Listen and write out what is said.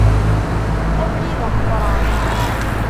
Abrid ameqqran.